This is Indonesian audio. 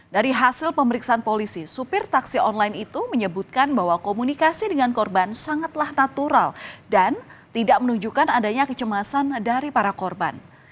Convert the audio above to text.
dari hasil pemeriksaan polisi supir taksi online itu menyebutkan bahwa komunikasi dengan korban sangatlah natural dan tidak menunjukkan adanya kecemasan dari para korban